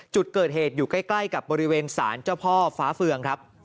จุดเกิดเหตุอยู่ใกล้กับบริเวณศาลเจ้าพ่อฟ้าเฟืองครับ